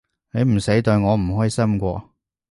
你唔使代我唔開心喎